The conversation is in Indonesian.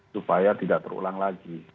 supaya tidak terulang lagi